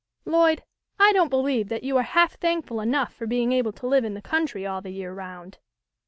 Lloyd, I don't believe that you are half thankful enough for being able to live in the country all the year round."